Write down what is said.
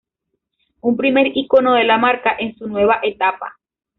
Un primer icono de la marca en su nueva etapa.